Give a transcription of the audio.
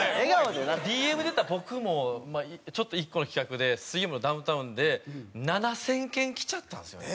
ＤＭでいったら僕もちょっと１個の企画で『水曜日のダウンタウン』で７０００件きちゃったんですよね。